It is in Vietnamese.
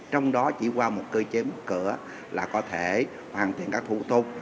trong đó chỉ qua một cơ chế một cửa là có thể hoàn thiện các thủ tục